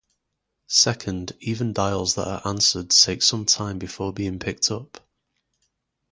Second, even dials that are answered take some time before being picked up.